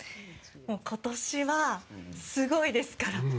もう今年はすごいですから。